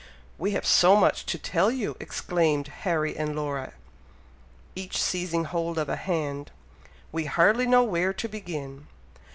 "We have so much to tell you," exclaimed Harry and Laura, each seizing hold of a hand, "we hardly know where to begin!"